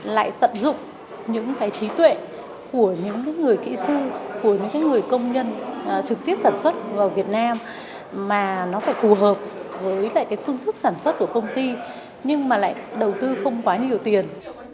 lại tận dụng những cái trí tuệ của những người kỹ sư của những người công nhân trực tiếp sản xuất vào việt nam mà nó phải phù hợp với lại cái phương thức sản xuất của công ty nhưng mà lại đầu tư không quá nhiều tiền